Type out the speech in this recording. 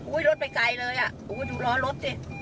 อุ๊ยรถไปไกลเลยดูล้อรถสิ